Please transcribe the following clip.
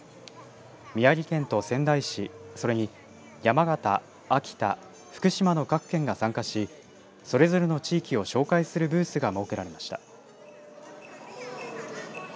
宮城県と仙台市それに山形、秋田、福島の各県が参加しそれぞれの地域を紹介するブースが設けられました。